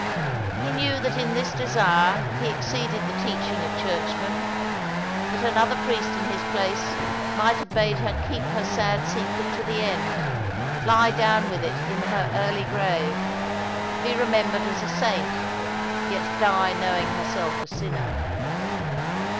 He knew that in this desire he exceeded the teaching of churchmen; that another priest in his place might have bade her keep her sad secret to the end, lie down with it in her early grave, be remembered as a saint, yet die knowing herself a sinner.